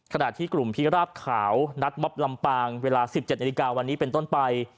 ขณะที่กลุ่มพิราบขาวนัดมอบลำปางเวลา๑๗นาฬิกาวันนี้เป็นต้นไป